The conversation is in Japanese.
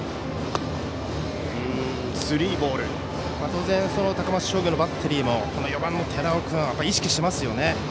当然、高松商業のバッテリーもこの４番の寺尾君を意識してますよね。